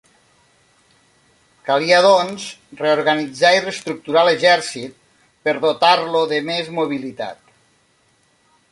Calia doncs reorganitzar i reestructurar l'exèrcit per dotar-lo de més mobilitat.